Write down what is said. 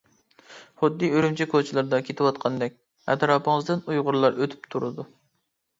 خۇددى ئۈرۈمچى كوچىلىرىدا كېتىۋاتقاندەك ئەتراپىڭىزدىن ئۇيغۇرلار ئۆتۈپ تۇرىدۇ.